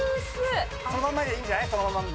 そのまんまでいいんじゃない？